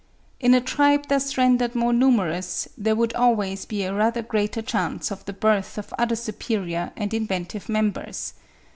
In a tribe thus rendered more numerous there would always be a rather greater chance of the birth of other superior and inventive members.